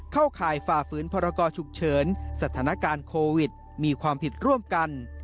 ข่ายฝ่าฝืนพรกรฉุกเฉินสถานการณ์โควิดมีความผิดร่วมกัน